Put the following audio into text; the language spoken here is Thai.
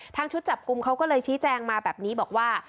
ชุดจับกลุ่มเขาก็เลยชี้แจงมาแบบนี้บอกว่า